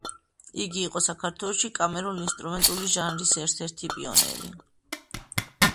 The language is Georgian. იგი იყო საქართველოში კამერულ-ინსტრუმენტული ჟანრის ერთ-ერთი პიონერი.